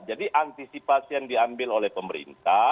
jadi antisipasi yang diambil oleh pemerintah